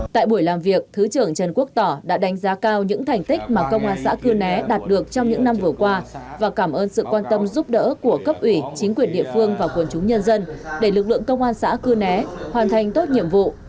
tại buổi làm việc thứ trưởng trần quốc tỏ đã đánh giá cao những thành tích mà công an xã cư né đạt được trong những năm vừa qua và cảm ơn sự quan tâm giúp đỡ của cấp ủy chính quyền địa phương và quần chúng nhân dân để lực lượng công an xã cư né hoàn thành tốt nhiệm vụ